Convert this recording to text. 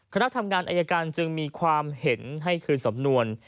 คณะทำงานอายการจึงมีความเห็นให้คืนสำนวน